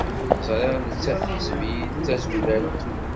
Ẓriɣ nettat teḥseb-iyi d tazulalt.